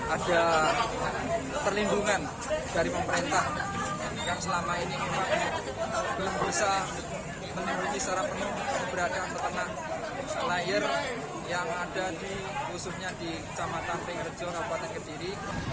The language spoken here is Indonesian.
ada perlindungan dari pemerintah yang selama ini belum bisa menemui secara penuh beradaan peternak layar yang ada di khususnya di kecamatan pengrejo kabupaten kediri